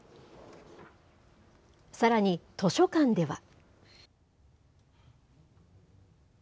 さらに図書館では。